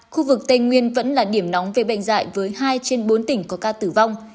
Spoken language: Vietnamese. khu vực tây nguyên vẫn là điểm nóng về bệnh dạy với hai trên bốn tỉnh có ca tử vong